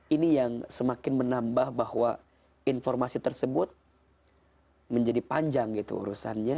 ini yang semakin menambah bahwa informasi tersebut menjadi panjang gitu urusannya